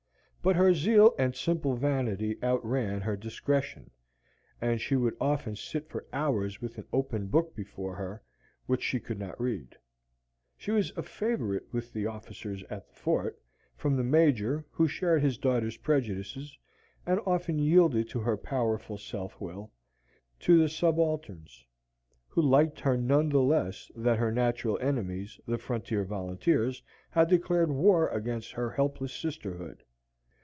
But her zeal and simple vanity outran her discretion, and she would often sit for hours with an open book before her, which she could not read. She was a favorite with the officers at the fort, from the Major, who shared his daughter's prejudices and often yielded to her powerful self will, to the subalterns, who liked her none the less that their natural enemies, the frontier volunteers, had declared war against her helpless sisterhood.